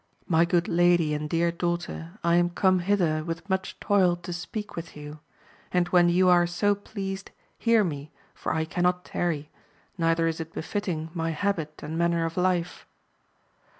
My good lady and dear daughter, I am come hither with much toil to speak with you ; and when you are so pleased, hear me, for I .cannot tarry, neither is it befitting my habit and mapner of life.